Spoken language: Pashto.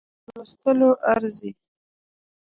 په لوستلو ارزي.